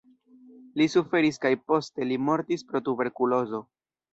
Li suferis kaj poste li mortis pro tuberkulozo.